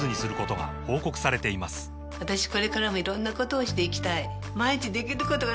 私これからもいろんなことをしていきたい